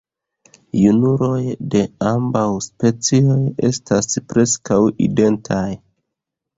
Junuloj de ambaŭ specioj estas preskaŭ identaj.